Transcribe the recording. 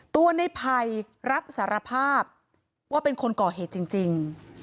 ตัวในภัยรับสารภาพว่าเป็นคนก่อเหตุจริง